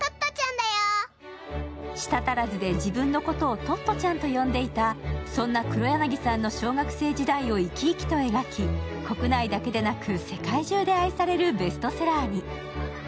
舌足らずで自分のことをトットちゃんと呼んでいたそんな黒柳さんの小学生時代を生き生きと描き国内だけでなく世界中で愛されるベストセラーに。